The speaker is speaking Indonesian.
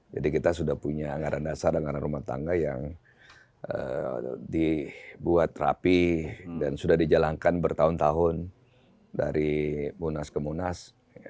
jadi kita sudah punya anggaran dasar anggaran rumah tangga yang dibuat rapi dan sudah dijalankan bertahun tahun dari munas ke munas